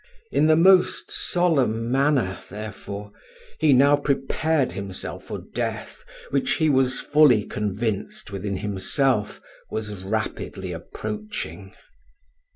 In the most solemn manner, therefore, he now prepared himself for death, which he was fully convinced within himself was rapidly approaching.